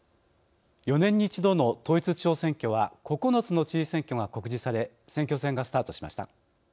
４年に一度の統一地方選挙は９つの知事選挙が告示され選挙戦がスタートしました。